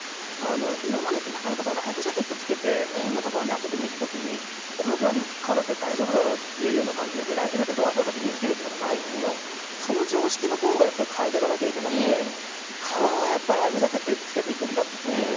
今まではライフジャケットを着けて遊びに行くときにこのくらいの川だったら大丈夫だろうというような感じでライフジャケットを身に着けることはないけどその常識の方が変えていかなければいけなくて川はライフジャケットをつけていくんだという。